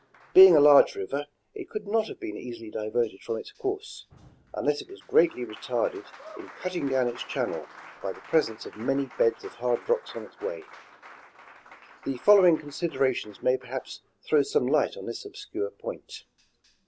Being a large riyer, it could not have been easily diverted from its course, unless it was greatly retarded in cutting down its channel by the presence of many beds of hard rocks on its way. The following considerations may perhaps throw some light on this obscure point.